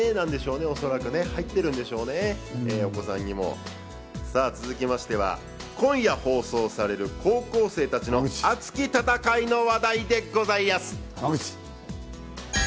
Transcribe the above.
ＤＮＡなんでしょうね、おそらく。さあ、続きましては、今夜放送される高校生たちの熱き戦いの話題でございやす。